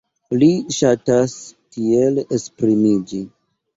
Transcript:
Li ŝatas tiel esprimiĝi.